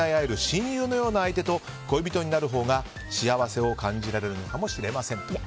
親友のような相手と恋人になるほうが幸せを感じられるのかもしれませんと。